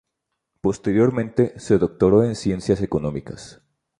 Posteriormente, se doctoró en Ciencias Económicas.